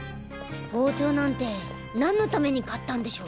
包丁なんて何のために買ったんでしょう？